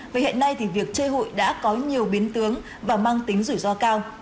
và hiện nay thì việc chơi hụi đã có nhiều biến tướng và mang tính rủi ro cao